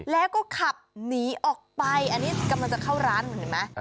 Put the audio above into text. แล้วก็ขับหนีออกไปอันนี้กำลังจะเข้าร้านคุณเห็นไหม